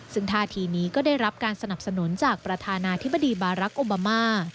ซึ่งท่าทีนี้ก็ได้รับการสนับสนุนจากประธานาธิบดีบารักษ์โอบามา